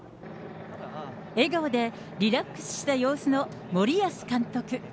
笑顔でリラックスした様子の森保監督。